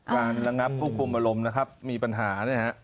การระงับผู้ควมอารมณ์มีปัญหา